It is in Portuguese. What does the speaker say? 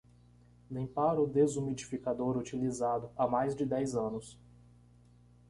Limpar o desumidificador utilizado há mais de dez anos